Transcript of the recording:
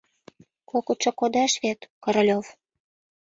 Кокытшо кодеш вет, Королёв?